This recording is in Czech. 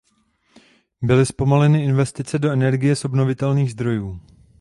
Byly zpomaleny investice do energie z obnovitelných zdrojů.